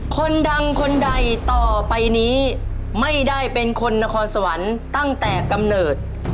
คนดังคนใดต่อไปนี้ไม่ได้เป็นคนนครสวรรค์ตั้งแต่กำเนิด